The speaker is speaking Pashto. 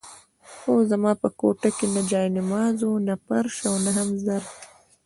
خو زما په کوټه کې نه جاینماز وو، نه فرش او نه هم ظرف.